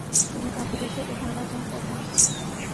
تمہیں کافی دیر سے اٹھانا چاہتا تھا۔